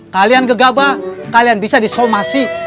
kalian gegabah kalian bisa disomasi